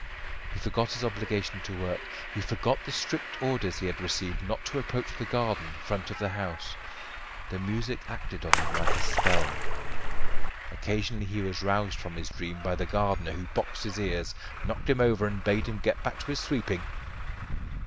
He forgot his obligation to work; he forgot the strict orders he had received not to approach the garden front of the house. The music acted on him like a spell. Occasionally he was roused from his dream by the gardener, who boxed his ears, knocked him over, and bade him get back to his sweeping.